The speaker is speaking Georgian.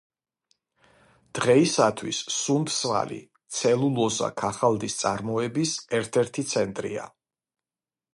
დღეისათვის სუნდსვალი ცელულოზა-ქაღალდის წარმოების ერთ-ერთი ცენტრია.